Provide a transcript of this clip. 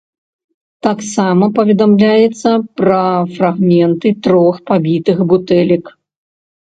Таксама паведамляецца пра фрагменты трох пабітых бутэлек.